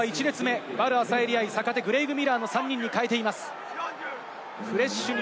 日本代表は１列目ヴァル・アサエリ愛、坂手、クレイグ・ミラーの３人に代えています。